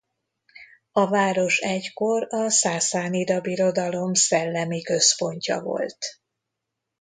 A város egykor a Szászánida Birodalom szellemi központja volt.